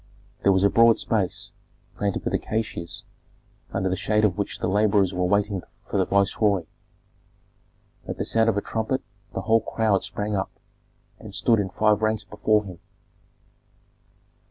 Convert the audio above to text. That was a broad space, planted with acacias, under the shade of which the laborers were waiting for the viceroy. At the sound of a trumpet the whole crowd sprang up, and stood in five ranks before him.